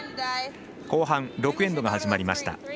後半の６エンドが始まりました。